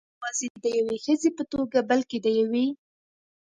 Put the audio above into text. نه یوازې د یوې ښځې په توګه، بلکې د یوې .